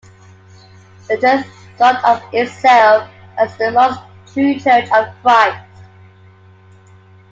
The church thought of itself as the most true church of Christ.